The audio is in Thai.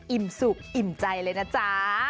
อิ่มสุกอิ่มใจเลยนะจ๊ะ